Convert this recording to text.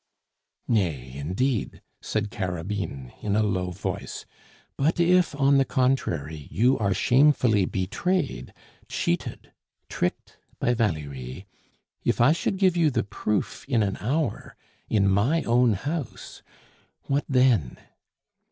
"Nay, indeed," said Carabine in a low voice; "but if, on the contrary, you are shamefully betrayed, cheated, tricked by Valerie, if I should give you the proof in an hour, in my own house, what then?"